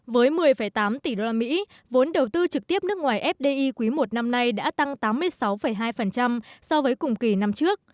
với một mươi tám tỷ usd vốn đầu tư trực tiếp nước ngoài fdi quý i năm nay đã tăng tám mươi sáu hai so với cùng kỳ năm trước